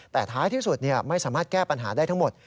แต่ท้ายที่สุดไม่สามารถแก้ปัญหาได้ทั้งหมด